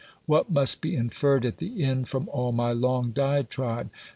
What must be inferred at the end from all my long diatribe